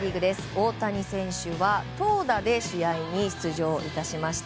大谷選手は投打で試合に出場いたしました。